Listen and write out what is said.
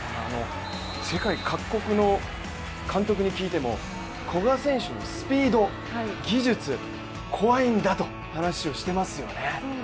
世界各国の監督に聞いても古賀選手のスピード、技術怖いんだと話をしていますよね。